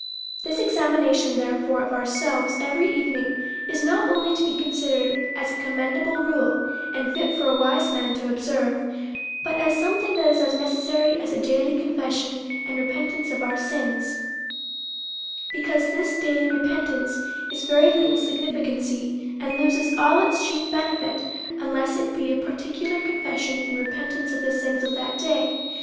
This examination, therefore, of ourselves every evening, is not only to be considered ns a commendable rule, and fit for a wMse man to observe; but as something that is as necessary as a daily confession and repentance of our sins; because this dailv repentance is of very little v3 326 A SERIOUS CALL TO A significancy^ and loses all its chief benefit, unless it be a particular confession and repentance of the sins of that day.